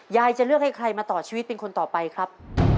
จะเลือกให้ใครมาต่อชีวิตเป็นคนต่อไปครับ